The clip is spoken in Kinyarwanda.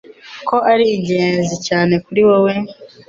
ko ari ingenzi cyane kuri wowe,